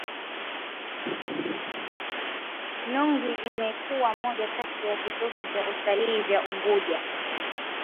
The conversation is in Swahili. Nungwi imekuwa moja kati ya vitovu vya utalii vya Unguja